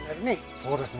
そうですね